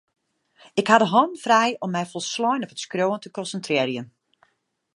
Ik ha de hannen frij om my folslein op it skriuwen te konsintrearjen.